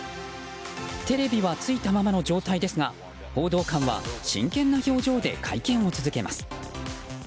テレビはついたままの状態ですが報道官は真剣な表情で会見を続けます。